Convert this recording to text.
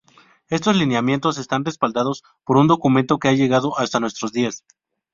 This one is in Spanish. Estos lineamientos están respaldados por un documento que ha llegado hasta nuestros días.